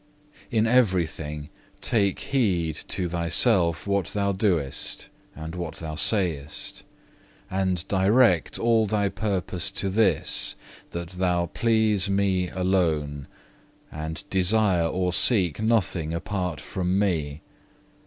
3. "In everything take heed to thyself what thou doest, and what thou sayest; and direct all thy purpose to this, that thou please Me alone, and desire or seek nothing apart from Me.